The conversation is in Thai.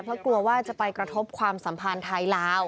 เพราะกลัวว่าจะไปกระทบความสัมพันธ์ไทยลาว